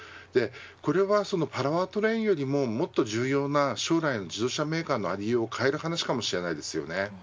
これはそのパワートレインよりももっと重要な将来の自動車メーカーのありようを変える話かもしれません。